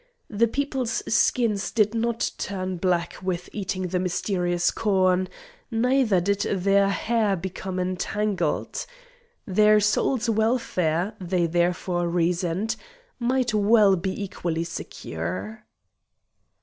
The people's skins did not turn black with eating the mysterious corn, neither did their hair become entangled. Their souls' welfare, they therefore reasoned, might well be equally secure.